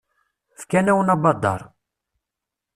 Fkan-awen abadaṛ.